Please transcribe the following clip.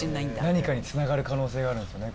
何かにつながる可能性があるんすよね